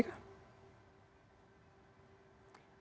ya mas rassamala masih terhubung bersama kami